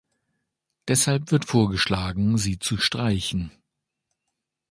Deshalb wird vorgeschlagen, sie zu streichen.